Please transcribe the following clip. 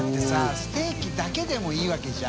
ステーキだけでもいいわけじゃん。